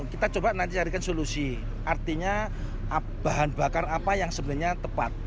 kita coba nanti carikan solusi artinya bahan bakar apa yang sebenarnya tepat